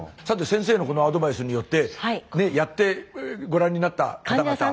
さて先生のこのアドバイスによってやってごらんになった方々。